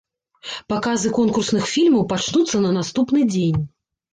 Паказы конкурсных фільмаў пачнуцца на наступны дзень.